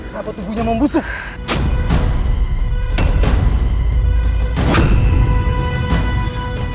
kenapa tubuhnya membusuk